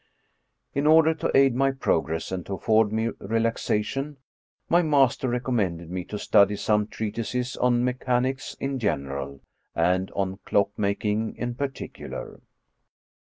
T N order to aid my progress and afford me relaxation, my master recommended me to study some treatises on mechanics in general, and on clockmaking in particular.